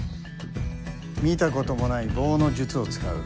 見たこともない棒の術を使う。